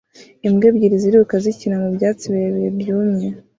Imbwa ebyiri ziriruka zikina mu byatsi birebire byumye